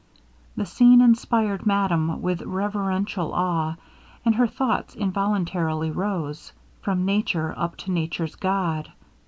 The scene inspired madame with reverential awe, and her thoughts involuntarily rose, 'from Nature up to Nature's God.'